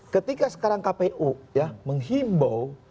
ketika sekarang kpu ya menghimbau